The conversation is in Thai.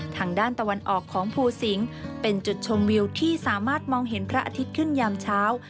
ทางด้านตะวันออกของภูสิงศ์เป็นจุดชมวิวที่สามารถมองเห็นพระอาทิตย์ขึ้นยามเช้า